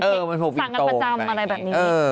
สั่งกันประจำอะไรแบบนี้